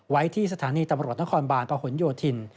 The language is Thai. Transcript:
ไว้ที่สถานีตำรวจนครบาลประหลโยธิน